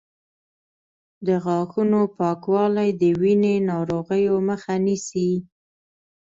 د غاښونو پاکوالی د وینې ناروغیو مخه نیسي.